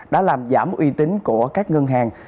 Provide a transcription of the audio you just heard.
đã làm giảm uy tín của các ngân hàng